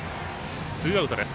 ツーアウトです。